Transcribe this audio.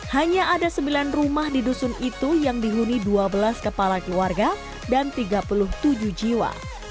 hanya ada sembilan rumah di dusun itu yang dihuni dua belas kepala keluarga dan tiga puluh tujuh jiwa